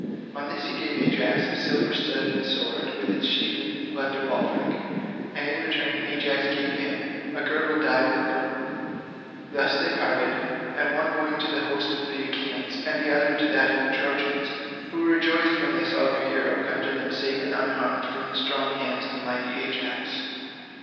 '" On this he gave Ajax a silver studded sword with its sheath and leathern baldric, and in return Ajax gave him a girdle dyed with purple. Thus they parted, the one going to the host of the Achaeans, and the other to that of the Trojans, who rejoiced when they saw their hero come to them safe and unharmed from the strong hands of mighty Ajax.